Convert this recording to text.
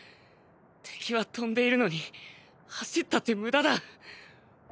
敵は飛んでいるのに走ったって無駄だ。